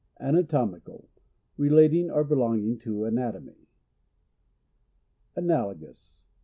Anatomical. — Relating or belonging to anatomy. Analogous.